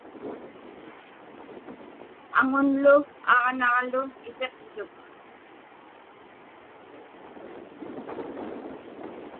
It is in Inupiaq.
Aŋunlu aġnaġlu isiqtuk.